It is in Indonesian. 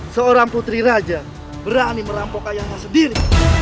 seorang putri raja berani merampok ayahnya sendiri